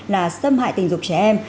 là xâm hại tình dục trẻ em